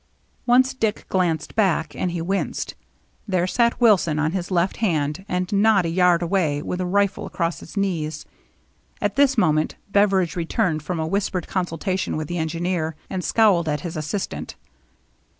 Once Dick glanced back; and he winced. There sat Wilson, on his left hand and not a yard away, with a rifle across his knees. At this moment Beveridge returned from a whispered consultation with the engineer, and scowled at his assistant.